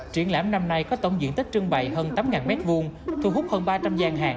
triển lãm năm nay có tổng diện tích trưng bày hơn tám m hai thu hút hơn ba trăm linh gian hàng